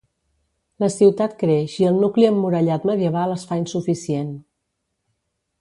La ciutat creix i el nucli emmurallat medieval es fa insuficient.